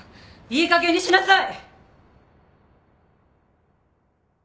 ・いいかげんにしなさい！